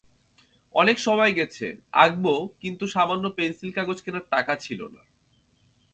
অনেক সময় গেছে, আঁকব কিন্তু সামান্য পেনসিল-কাগজ কেনার টাকা ছিল না।